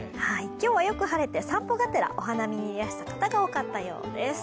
今日はよく晴れて散歩がてらお花見にいらした方が多かったようですよ。